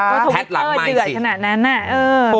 แพทย์หลังไม้สิเออเดื่อยขนาดนั้นน่ะ